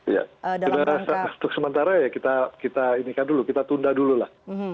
ya sudah untuk sementara ya kita ini kan dulu kita tunda dulu lah